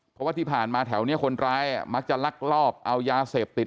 เพราะว่าที่ผ่านมาแถวนี้คนร้ายมักจะลักลอบเอายาเสพติด